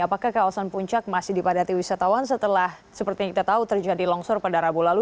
apakah kawasan puncak masih dipadati wisatawan setelah seperti yang kita tahu terjadi longsor pada rabu lalu